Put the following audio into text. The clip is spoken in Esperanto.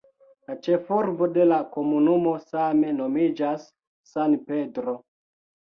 La ĉefurbo de la komunumo same nomiĝas "San Pedro".